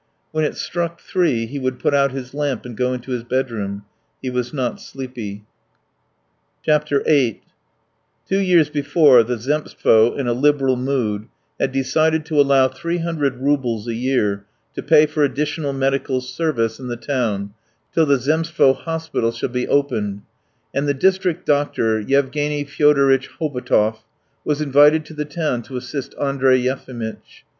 .." When it struck three he would put out his lamp and go into his bedroom; he was not sleepy. VIII Two years before, the Zemstvo in a liberal mood had decided to allow three hundred roubles a year to pay for additional medical service in the town till the Zemstvo hospital should be opened, and the district doctor, Yevgeny Fyodoritch Hobotov, was invited to the town to assist Andrey Yefimitch.